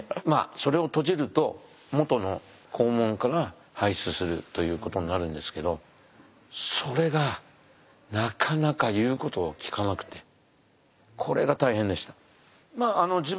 それを閉じると元の肛門から排出するということになるんですけどそれがなかなか言うことを聞かなくてこれが大変でした。